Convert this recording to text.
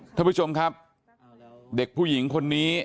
ท่านผู้ชมครับเด็กผู้หญิงคนนี้